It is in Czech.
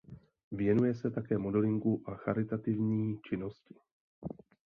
Věnuje se také modelingu a charitativní činnosti.